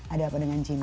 ada apa dengan cinta